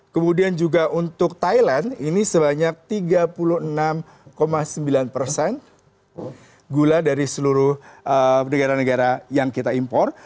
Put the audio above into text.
kemudian juga untuk thailand ini sebanyak tiga puluh enam sembilan persen gula dari seluruh negara negara yang kita impor